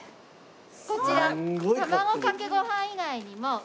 こちら卵かけご飯以外にもウニパスタ。